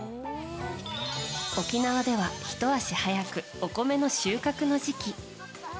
沖縄では、ひと足早くお米の収穫の時期。